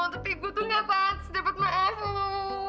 tapi gue tuh gak patut dapet maaf lo